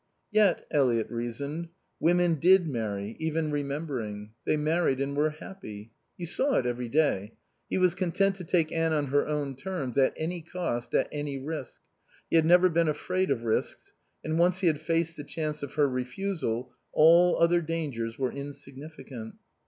Yet, Eliot reasoned, women did marry, even remembering. They married and were happy. You saw it every day. He was content to take Anne on her own terms, at any cost, at any risk. He had never been afraid of risks, and once he had faced the chance of her refusal all other dangers were insignificant.